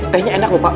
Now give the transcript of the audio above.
tehnya enak lho pak